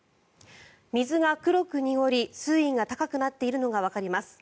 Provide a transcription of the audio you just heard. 水が黒く濁り水位が高くなっているのがわかります。